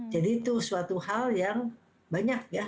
jadi itu suatu hal yang banyak ya